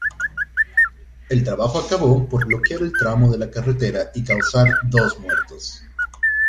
El trabajo acabó por bloquear el tramo de la carretera y causar dos muertos.